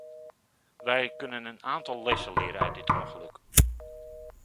Wij kunnen een aantal lessen leren uit dit ongeluk.